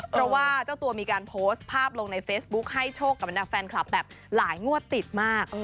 เพราะว่าเจ้าตัวมีการโพสต์ภาพลงในเฟซบุ๊คให้โชคกับบรรดาแฟนคลับแบบหลายงวดติดมาก